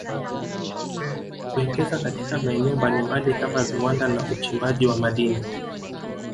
kuwekeza katika maeneo mbalimbali kama viwanda na uchimbaji wa madini